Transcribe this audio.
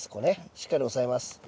しっかり押さえます。